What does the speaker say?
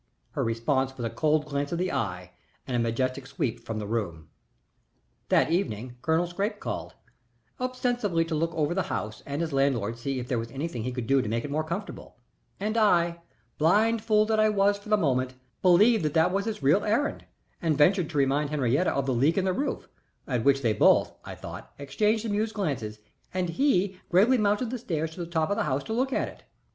Her response was a cold glance of the eye and a majestic sweep from the room. [Illustration: "HENRIETTE WAS TESTING THE FIFTY THOUSAND DOLLAR PIANO"] That evening Colonel Scrappe called, ostensibly to look over the house and as landlord to see if there was anything he could do to make it more comfortable, and I, blind fool that I was for the moment, believed that that was his real errand, and ventured to remind Henriette of the leak in the roof, at which they both, I thought, exchanged amused glances, and he gravely mounted the stairs to the top of the house to look at it.